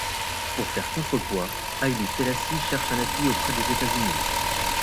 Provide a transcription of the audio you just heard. Pour faire contre-poids, Haile Selassie cherche un appui auprès des États-Unis.